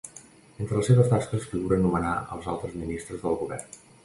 Entre les seves tasques figura nomenar als altres ministres del govern.